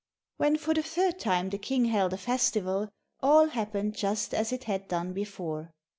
When, for the third time, the King held a festival, all happened just as it had done before.